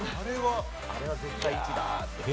あれは絶対１だ。